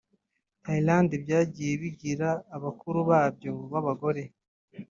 Thailand byagiye bigira abakuru babyo b’abagore